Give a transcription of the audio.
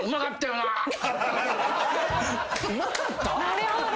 なるほど。